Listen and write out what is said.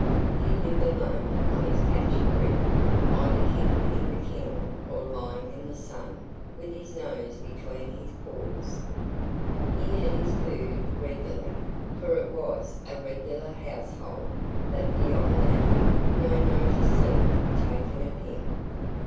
He lived alone on his patch of brick, either hidden in the kennel or lying in the sun with his nose between his paws. He had his food regularly, for it was a regular household; but beyond that, no notice seemed taken of him.